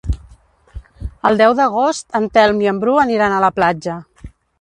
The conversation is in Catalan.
El deu d'agost en Telm i en Bru aniran a la platja.